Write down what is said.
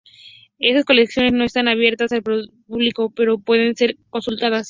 Estas colecciones no están abiertas al público pero pueden ser consultadas.